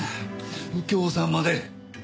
右京さんまで！